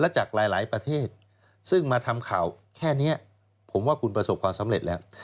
จากหลายประเทศซึ่งมาทำข่าวแค่นี้ผมว่าคุณประสบความสำเร็จแล้ว